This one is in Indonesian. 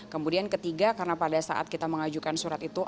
kemudian ketiga karena pada saat kita mengajukan surat itu